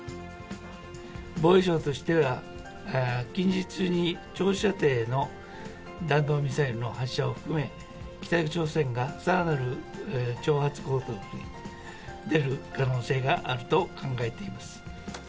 防衛省としては、近日中に長射程の弾道ミサイルの発射も含め、北朝鮮がさらなる挑発行動に出る可能性があると考えています。